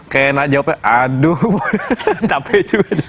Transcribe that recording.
kayaknya jawabannya aduh capek juga